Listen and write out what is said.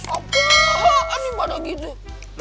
apaan ibadah gini